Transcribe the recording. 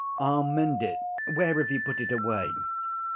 I'll mend it, where have you put it away?